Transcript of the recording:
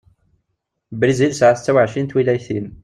Brizil tespwa setta-uɛerin n twilayatin.